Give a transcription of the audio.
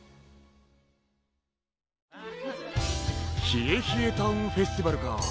ひえひえタウンフェスティバルか。